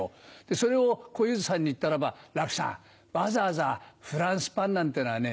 それを小遊三さんに言ったらば「楽さんわざわざフランスパンなんてのはね